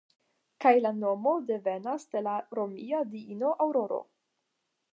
Kaj la nomo devenas de la romia diino Aŭroro.